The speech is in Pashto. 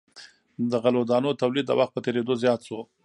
د غلو دانو تولید د وخت په تیریدو زیات شو.